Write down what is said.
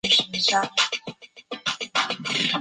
荐举出身。